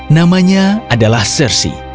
namanya adalah sers